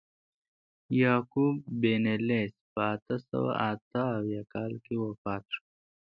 یعقوب بن لیث په اته سوه اته اویا کال کې وفات شو.